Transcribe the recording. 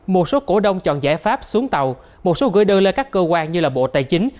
một số cổ đông chọn giải pháp xuống tàu một số gửi đơn lên các cơ quan như bộ tài chính